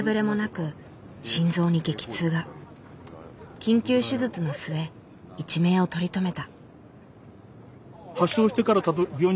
緊急手術の末一命を取り留めた。